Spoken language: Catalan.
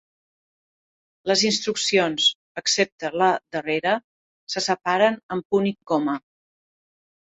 Les instruccions, excepte la darrera, se separen amb punt i coma.